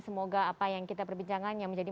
semoga apa yang kita perbincangkan yang menjadi